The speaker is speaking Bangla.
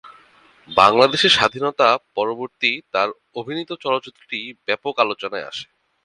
বাংলাদেশের স্বাধীনতা-পরবর্তী তার অভিনীত চলচ্চিত্রটি ব্যাপক আলোচনায় আসে।